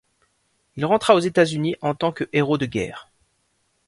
Il rentra aux États-Unis en tant que héros de guerre.